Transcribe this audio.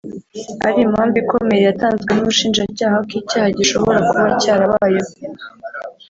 ari impamvu ikomeye yatanzwe n’Ubushinjacyaha ko icyaha gishobora kuba cyarabayeho